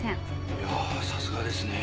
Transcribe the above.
いやさすがですね。